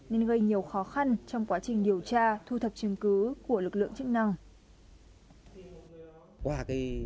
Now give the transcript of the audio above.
nên gây nhiều khó khăn trong quá trình điều tra